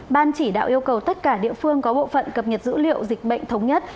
ban chỉ đạo yêu cầu tất cả địa phương có bộ phận cập nhật dữ liệu dịch bệnh thống nhất